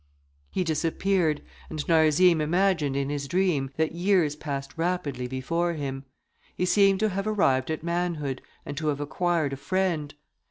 He disappeared, and Narzim imagined in his dream that years passed rapidly before him; he seemed to have arrived at manhood, and to have acquired a friend.